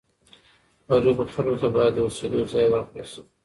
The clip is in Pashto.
غریبو خلکو ته باید د اوسېدو ځای ورکړل سي.